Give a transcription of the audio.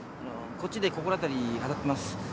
こっちで心当たり当たってみます。